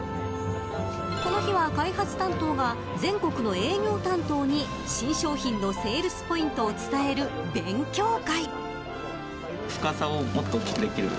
この日は、開発担当が全国の営業担当に新商品のセールスポイントを伝える勉強会。